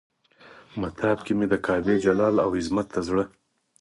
مطاف کې مې د کعبې جلال او عظمت ته زړه.